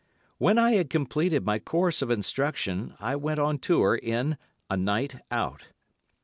When I had completed my course of instruction, I went on tour in "A Night Out."